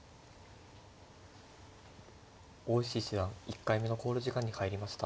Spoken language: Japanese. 大石七段１回目の考慮時間に入りました。